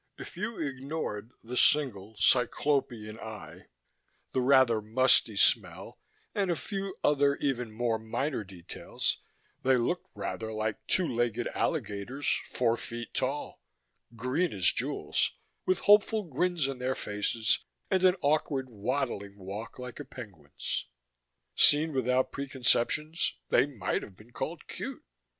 If you ignored the single, Cyclopean eye, the rather musty smell and a few other even more minor details, they looked rather like two legged alligators four feet tall, green as jewels, with hopeful grins on their faces and an awkward, waddling walk like a penguin's. Seen without preconceptions they might have been called cute.